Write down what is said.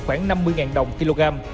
khoảng năm mươi đồng kg